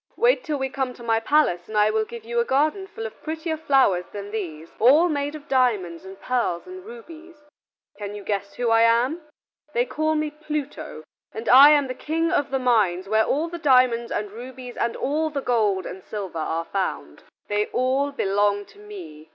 Wait till we come to my palace and I will give you a garden full of prettier flowers than these, all made of diamonds and pearls and rubies. Can you guess who I am? They call me Pluto, and I am the King of the mines where all the diamonds and rubies and all the gold and silver are found: they all belong to me.